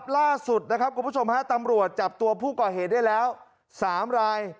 ล่าสุดตำรวจจับตัวผู้ก่อเหตุได้แล้ว๓ราย